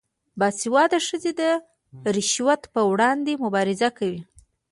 باسواده ښځې د رشوت پر وړاندې مبارزه کوي.